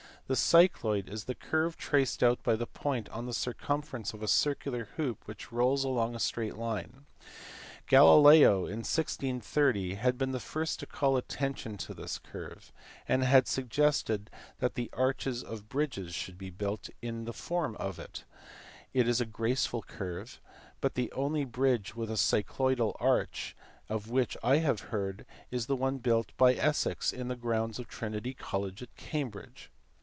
The cycloid is the curve traced out by a point on the circumference of a circular hoop which rolls along a straight line. Galileo, in 1630, nad been the first to call attention to this curve, and had suggested that the arches of bridges should be built in the form of it: it is a graceful curve, but the only bridge with cycloidal arches of which I have heard is the one built by Essex in the grounds of Trinity College, Cambridge.